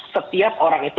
setiap orang itu